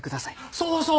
そうそう！